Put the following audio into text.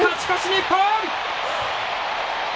日本！